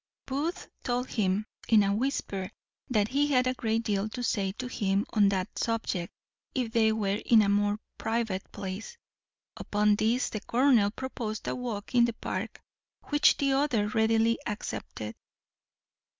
Booth told him in a whisper that he had a great deal to say to him on that subject if they were in a more private place; upon this the colonel proposed a walk in the Park, which the other readily accepted.